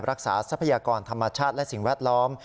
ทรัพยากรธรรมชาติและสิ่งแวดล้อม